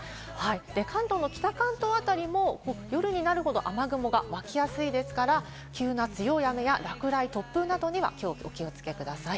関東、北関東あたりも夜になるほど雨雲がわきやすいですから、急な強い雨や落雷、突風などにはお気をつけください。